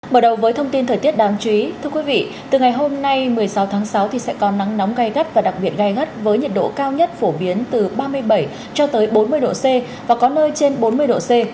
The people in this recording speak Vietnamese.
mở đầu với thông tin thời tiết đáng chú ý thưa quý vị từ ngày hôm nay một mươi sáu tháng sáu sẽ có nắng nóng gai gắt và đặc biệt gai gắt với nhiệt độ cao nhất phổ biến từ ba mươi bảy cho tới bốn mươi độ c và có nơi trên bốn mươi độ c